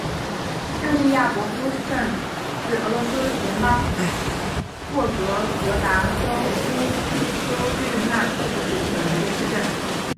热利亚博夫镇市镇是俄罗斯联邦沃洛格达州乌斯秋日纳区所属的一个市镇。